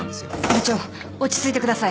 部長落ち着いてください。